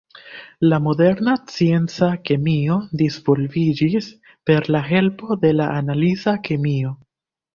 La moderna scienca kemio disvolviĝis per la helpo de la analiza kemio.